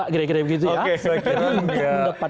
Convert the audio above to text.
kira kira begitu ya